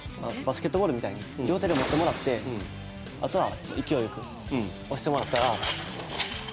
バスケットボールみたいに両手で持ってもらってあとは勢いよく押してもらったら。